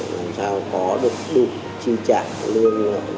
làm sao có được đủ chi trả lương